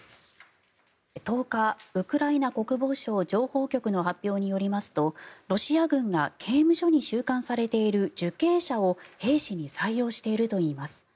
１０日ウクライナ国防省情報局の発表によりますとロシア軍が刑務所に収監されている受刑者を兵士に採用しているといいます。